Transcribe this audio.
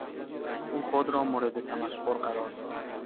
او خود را مورد تمسخر قرار داد.